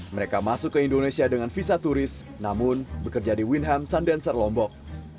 mereka masuk ke indonesia dengan visa turis namun bekerja di winham sundancer lombok